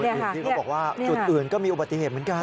อย่างที่เขาบอกว่าจุดอื่นก็มีอุบัติเหตุเหมือนกัน